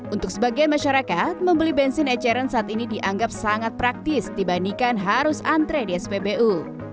untuk sebagian masyarakat membeli bensin eceran saat ini dianggap sangat praktis dibandingkan harus antre di spbu